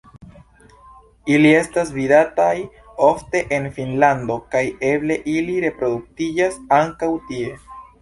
Ili estas vidataj ofte en Finnlando kaj eble ili reproduktiĝas ankaŭ tie.